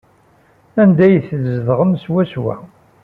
Anda ay tzedɣemt swaswa?